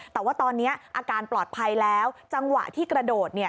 แต่ว่าตอนนี้อาการปลอดภัยแล้วจังหวะที่กระโดดเนี่ย